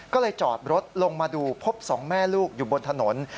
ก็เลยจอดรถลงมาดูพบสองแม่ลูกอยู่บนถนน